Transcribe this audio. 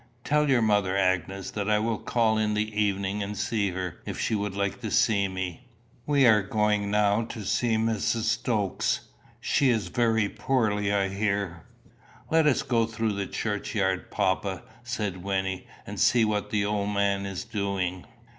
"Tell your mother, Agnes, that I will call in the evening and see her, if she would like to see me. We are going now to see Mrs. Stokes. She is very poorly, I hear." "Let us go through the churchyard, papa," said Wynnie, "and see what the old man is doing."